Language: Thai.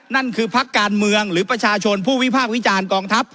นั่นคือพักการเมืองหรือประชาชนผู้วิพากษ์วิจารณ์กองทัพ